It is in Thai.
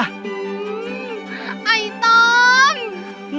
ไอ้ต้อม